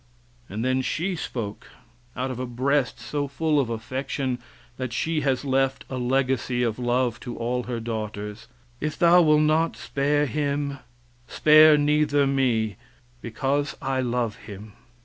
Then she spoke, out of a breast so full of affection that she has left a legacy of love to all her daughters: "If thou wilt not spare him, spare neither me, because I love him."